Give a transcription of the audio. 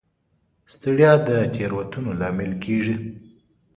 ستړیا د تېروتنو لامل کېږي.